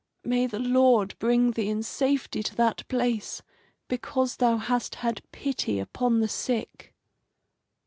May the Lord bring thee in safety to that place, because thou hast had pity upon the sick."